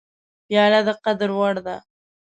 پیاله د قدر وړ ده.